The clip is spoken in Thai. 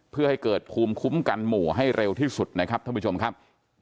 เพื่อให้เกิดภูมิคุ้มกันหมู่ให้เร็วที่สุดนะครับท่านผู้ชมครับ